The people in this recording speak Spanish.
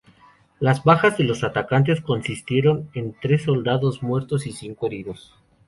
Las bajas de los atacantes consistieron en tres soldados muertos y cinco heridos.